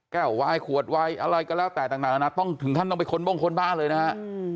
แก้ววายขวดวายอะไรก็แล้วแต่ต่างต่างนั้นนะต้องถึงท่านต้องไปคนบ้องคนบ้าเลยนะฮะ